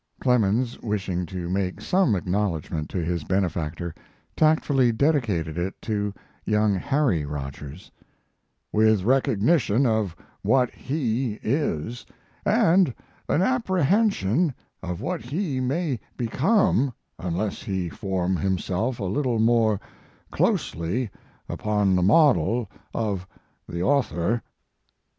Clemens, wishing to make some acknowledgment to his benefactor, tactfully dedicated it to young Harry Rogers: "With recognition of what he is, and an apprehension of what he may become unless he form himself a little more closely upon the model of the author."